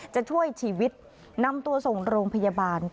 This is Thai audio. จะช่วยชีวิตนำตัวส่งโรงพยาบาล